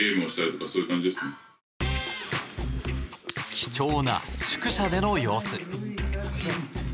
貴重な宿舎での様子。